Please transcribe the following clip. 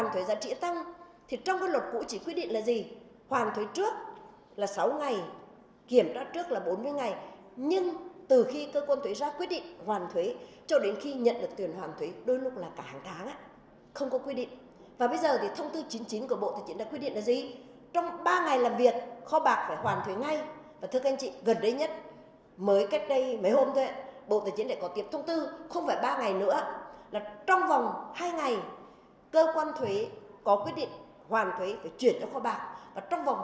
trong vòng hai ngày cơ quan thuế có quyết định hoàn thuế phải chuyển cho kho bạc và trong vòng một ngày kho bạc phải hoàn thuế cho doanh nghiệp